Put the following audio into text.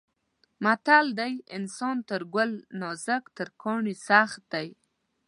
متل دی: انسان تر ګل نازک تر کاڼي کلک دی.